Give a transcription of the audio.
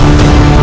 dan semacam itu